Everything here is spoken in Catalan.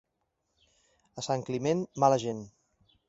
A Sant Climent, mala gent.